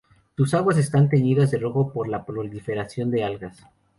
Sus aguas están teñidas de rojo por la proliferación de algas.